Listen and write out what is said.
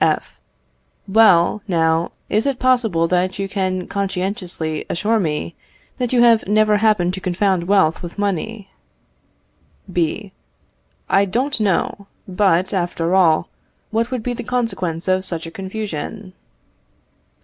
F. Well, now, is it possible that you can conscientiously assure me, that you have never happened to confound wealth with money? B. I don't know; but, after all, what would be the consequence of such a confusion?